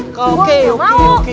gue gak mau